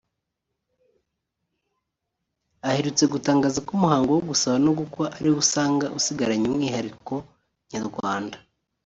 aherutse gutangaza ko umuhango wo gusaba no gukwa ari wo asanga usigaranye umwihariko Nyarwanda